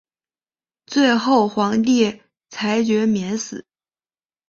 最后皇帝裁决免死。